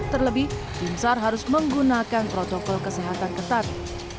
terlebih timsar harus menggunakan protokol kesehatan ketat